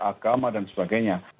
agama dan sebagainya